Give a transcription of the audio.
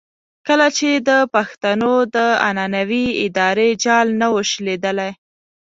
کله چې د پښتنو د عنعنوي ادارې جال نه وو شلېدلی.